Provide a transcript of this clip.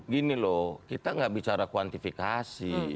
gini loh kita gak bicara kuantifikasi